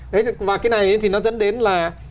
và cái này thì nó dẫn đến là